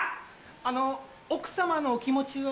あの奥様のお気持ちは。